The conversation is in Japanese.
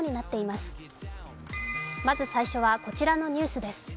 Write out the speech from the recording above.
まず最初はこちらのニュースです。